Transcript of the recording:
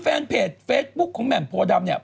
แฟนเพจเฟซบุ๊คของแหม่มโพดำเนี่ย